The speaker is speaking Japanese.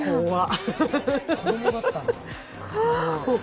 子供だったんだ。